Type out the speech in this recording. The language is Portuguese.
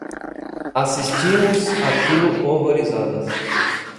Assistimos àquilo horrorizadas